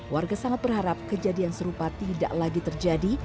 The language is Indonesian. warga sangat berharap kejadian serupa tidak lagi terjadi